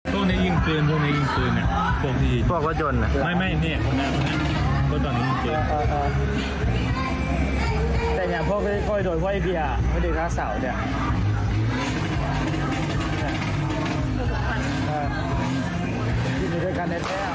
นี่คนยิงปืนอยู่นี่หรอเสื้อชมภูนะยิงปืน